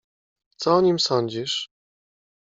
"Co o nim sądzisz?"